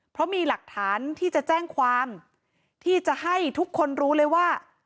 เพราะมีหลักฐานที่จะแจ้งความที่จะให้ทุกคนรู้เลยว่า